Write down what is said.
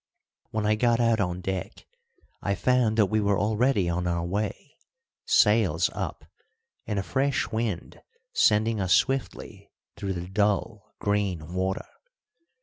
When I got out on deck I found that we were already on our way, sails up, and a fresh wind sending us swiftly through the dull green water.